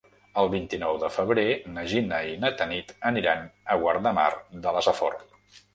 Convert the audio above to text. El vint-i-nou de febrer na Gina i na Tanit aniran a Guardamar de la Safor.